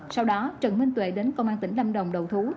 sau đó trần minh tuệ đến công an tỉnh lâm đồng đầu thú